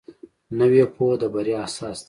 نوې پوهه د بریا اساس دی